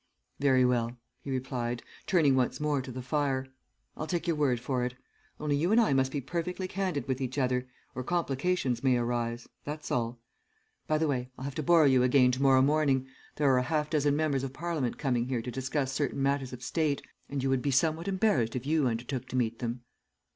"'Very well,' he replied, turning once more to the fire. 'I'll take your word for it; only you and I must be perfectly candid with each other, or complications may arise, that's all. By the way, I'll have to borrow you again to morrow morning. There are a half dozen members of Parliament coming here to discuss certain matters of state, and you would be somewhat embarrassed if you undertook to meet them.'